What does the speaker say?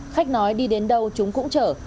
khách nói đi đến đâu chúng cũng chở